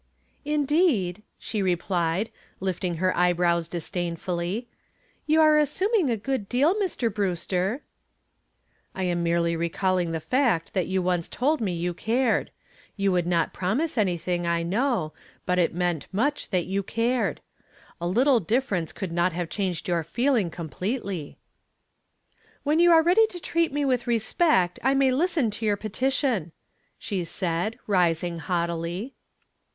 "Indeed," she replied, lifting her brows disdainfully. "You are assuming a good deal, Mr. Brewster." "I am merely recalling the fact that you once told me you cared. You would not promise anything, I know, but it meant much that you cared. A little difference could not have changed your feeling completely." "When you are ready to treat me with respect I may listen to your petition," she said, rising haughtily.